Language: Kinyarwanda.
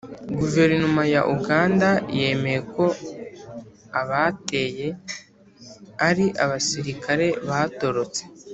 guverinoma ya uganda yemeye ko abateye ari «abasirikari batorotse»